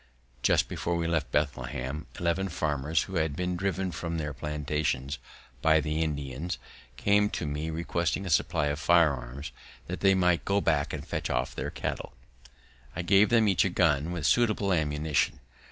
Just before we left Bethlehem, eleven farmers, who had been driven from their plantations by the Indians, came to me requesting a supply of firearms, that they might go back and fetch off their cattle. I gave them each a gun with suitable ammunition.